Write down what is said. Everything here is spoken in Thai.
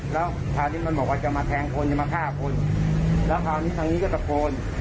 แล้วคราวนี้มันบอกว่าจะมาแทงคนจะมาฆ่าคนแล้วคราวนี้ทางนี้ก็ตะโกน